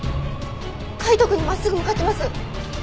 海斗くんに真っすぐ向かってます！